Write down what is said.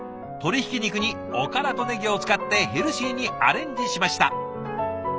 鶏ひき肉におからとねぎを使ってヘルシーにアレンジしました。